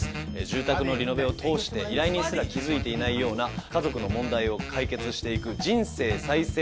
住宅のリノベを通して依頼人すら気付いていないような家族の問題を解決していく人生再生